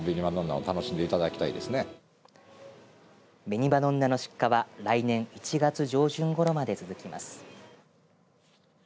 紅まどんなの出荷は来年１月上旬ごろまで続きます。